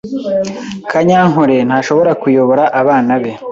Kanyankore ntashobora kuyobora abana be.